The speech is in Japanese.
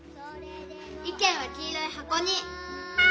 意見はきいろいはこに！